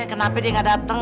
kenapa dia enggak datang